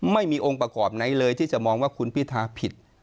ไม่มีองค์ประกอบไหนเลยที่จะมองว่าคุณพิธาผิด